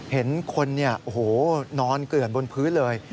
เห็นคนนอนเกลือนบนพื้นเลย